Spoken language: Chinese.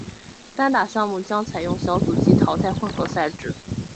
单打项目将采用小组及淘汰混合赛制。